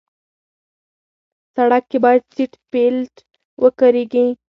سړک کې باید سیټ بیلټ وکارېږي.